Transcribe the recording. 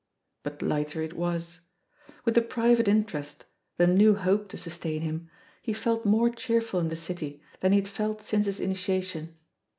But lighter it was. With the private in terest, the new hope to sustain him, he felt more M THE POSITION OF PEGGY HARPER cheerful in the City than he had felt since his initiation.